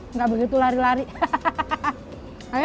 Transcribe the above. nggak begitu lari lari hahaha